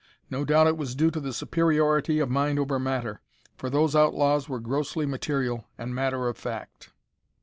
No doubt it was due to the superiority of mind over matter, for those out laws were grossly material and matter of fact!